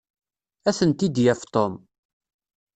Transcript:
Ad tent-id-yaf Tom.